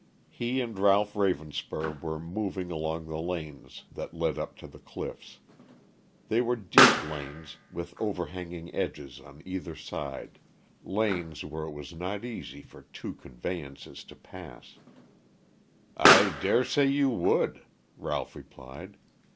He and Ralph Ravenspur were moving along the lanes that led up to the cliffs. They were deep lanes, with overhanging edges on either side lanes where it was not easy for two conveyances to pass. "I dare say you would," Ralph replied.